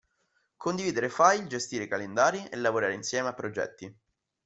Condividere file, gestire calendari e lavorare insieme a progetti.